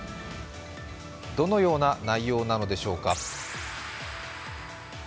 どのような内容なのでしょうか。